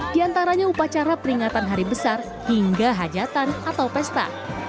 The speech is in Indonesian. di antaranya upacara peringatan hari besar hingga hajatan atau pesta